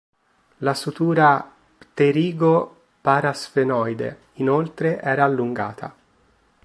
La sutura pterigo-parasfenoide, inoltre, era allungata.